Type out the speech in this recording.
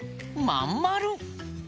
まんまる！